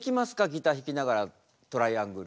ギター弾きながらトライアングル。